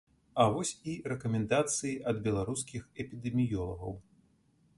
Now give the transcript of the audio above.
А вось і рэкамендацыі ад беларускіх эпідэміёлагаў.